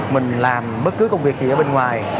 mình làm bất cứ công việc gì ở bên ngoài